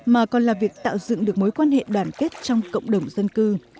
mà còn là việc tạo dựng được mối quan hệ đoàn kết trong cộng đồng dân cư